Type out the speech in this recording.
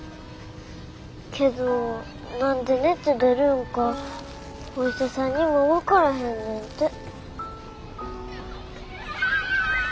けど何で熱出るんかお医者さんにも分からへんねんて。